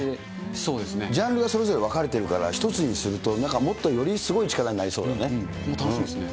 ジャンルがそれぞれ分かれてるから、１つにすると、もっとよりすごい力になりそうですよね。